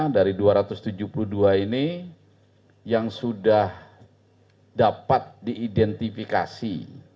dari dua ratus tujuh puluh dua ini yang sudah dapat diidentifikasi